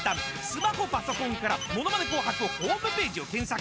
スマホパソコンから『ものまね紅白』ホームページを検索。